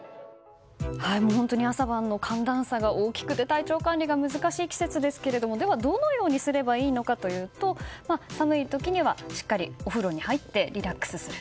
朝晩の寒暖差が大きくて体調管理が難しい季節ですけれどもどのようにすればいいのかというと寒い時にはしっかりとお風呂に入ってリラックスする。